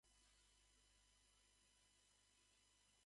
どうすればいいのかわからない